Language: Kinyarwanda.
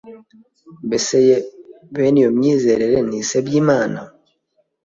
Mbese ye bene iyo myizerere ntisebya Imana